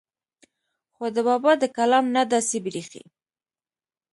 خو د بابا د کلام نه داسې بريښي